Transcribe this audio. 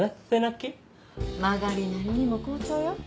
曲がりなりにも校長よ。